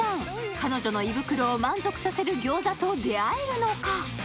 彼女の胃袋を満足させる餃子と出会えるのか。